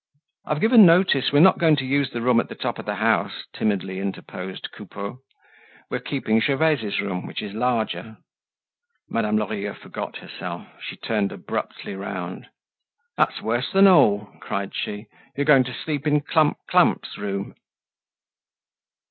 "I've given notice, we're not going to use the room up at the top of the house," timidly interposed Coupeau. "We are keeping Gervaise's room, which is larger." Madame Lorilleux forgot herself. She turned abruptly round. "That's worse than all!" cried she. "You're going to sleep in Clump clump's room."